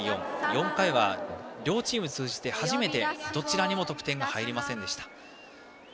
４回は両チーム通じて初めてどちらにも得点が入りませんでした。